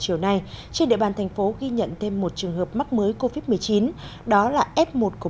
chiều nay trên địa bàn thành phố ghi nhận thêm một trường hợp mắc mới covid một mươi chín đó là f một của